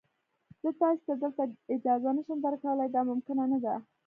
زه تاسي ته دلته اجازه نه شم درکولای، دا ممکنه نه ده.